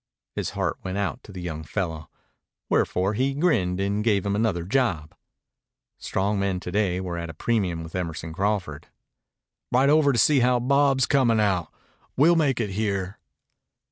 His heart went out to the young fellow. Wherefore he grinned and gave him another job. Strong men to day were at a premium with Emerson Crawford. "Ride over and see how Bob's comin' out. We'll make it here."